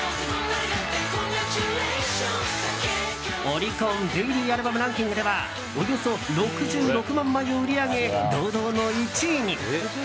オリコンデイリーアルバムランキングではおよそ６６万枚を売り上げ堂々の１位に。